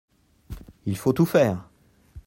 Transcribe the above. Il faut tout faire !